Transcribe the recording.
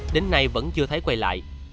đến nay vẫn chưa thấy quay lại